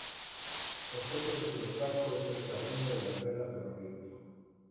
Ejemplo de suelo franco es el que abunda en las vegas de los ríos.